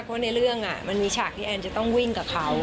เพราะในเรื่องมันมีฉากที่แอนจะต้องวิ่งกับเขา